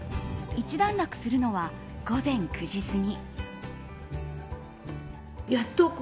一段落するのは午前９時過ぎ。